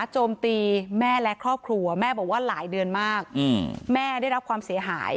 โจมตีแม่และครอบครัวแม่บอกว่าหลายเดือนมากแม่ได้รับความเสียหาย